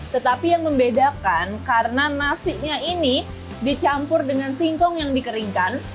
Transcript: tetapi yang membedakan karena nasinya ini dicampur dengan singkong yang dikeringkan